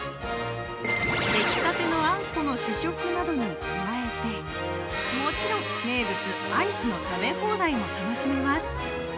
出来たてのあんこの試食などに加えてもちろん名物・アイスの食べ放題も楽しめます。